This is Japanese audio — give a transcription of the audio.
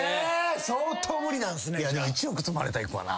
相当無理なんすね。